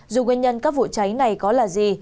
dù nguyên nhân các vụ cháy này có là gì